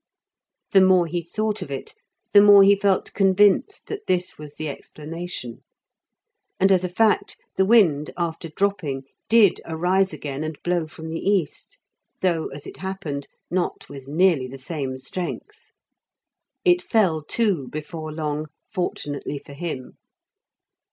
The more he thought of it, the more he felt convinced that this was the explanation; and, as a fact, the wind, after dropping, did arise again and blow from the east, though, as it happened, not with nearly the same strength. It fell, too, before long, fortunately for him.